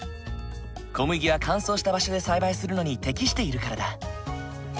小麦は乾燥した場所で栽培するのに適しているからだ。